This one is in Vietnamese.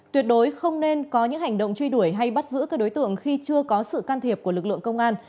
tuyệt đối không nên có những hành động truy đuổi hay bắt giữ các đối tượng khi chưa có sự can thiệp của lực lượng công an